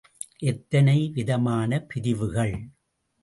எத்தனை விதமான பிரிவுகள்.